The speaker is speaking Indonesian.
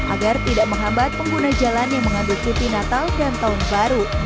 agar tidak menghambat pengguna jalan yang mengadu cuti natal dan tahun baru